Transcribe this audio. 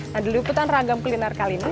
nah di liputan ragam kuliner kali ini